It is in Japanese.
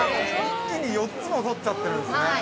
◆一気４つも取っちゃっているんですね。